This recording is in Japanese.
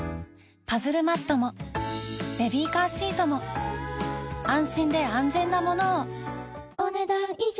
パズルマットもベビーカーシートも安心で安全なものをお、ねだん以上。